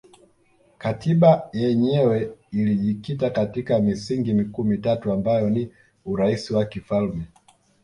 Katiba yenyewe ilijikita katika misingi mikuu mitatu ambayo ni Urais wa kifalme